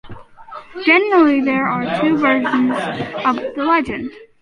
Generally, there are two versions of the legend.